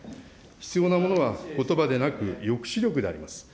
必要なものは、ことばでなく抑止力であります。